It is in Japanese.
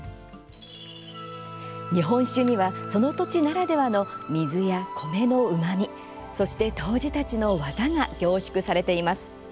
日本酒には、その土地ならではの水や米のうまみそして杜氏たちの技が凝縮されています。